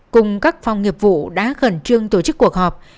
cùng các phòng nghiệp vụ đã khẩn trương tổ chức cuộc họp